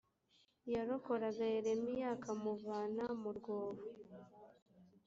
yarokoraga yeremiya akamuvana mu rwobo